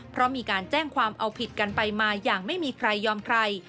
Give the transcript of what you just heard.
เพราะมีการแจ้งความเอาผิดกันไปมาอย่างไม่มีใครยอมใคร